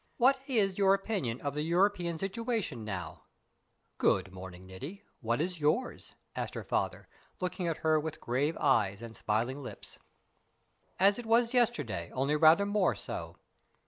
"What is your opinion of the European situation now?" "Good morning, Niti; what is yours?" asked her father, looking at her with grave eyes and smiling lips. "As it was yesterday, only rather more so.